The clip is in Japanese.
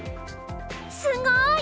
すごい！